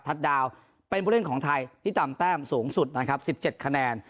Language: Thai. ดาวเป็นผู้เล่นของไทยที่ตามแต้มสูงสุดนะครับ๑๗คะแนน